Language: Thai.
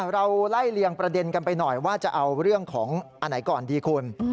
เราไล่เลียงประเด็นกันไปหน่อยว่าจะเอาเรื่องของอันไหนก่อนดีคุณ